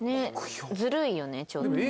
ずるいよねちょっとね。